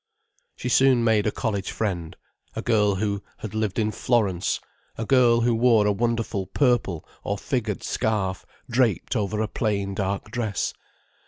She soon made a college friend, a girl who had lived in Florence, a girl who wore a wonderful purple or figured scarf draped over a plain, dark dress.